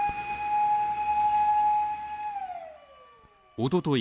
おととい